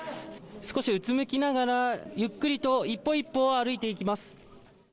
少しうつむきながらゆっくりと一歩一歩歩いていきます